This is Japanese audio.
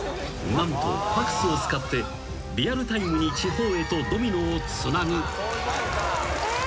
［何とファクスを使ってリアルタイムに地方へとドミノをつなぐ］